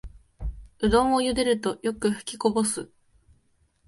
うどんをゆでるとよくふきこぼす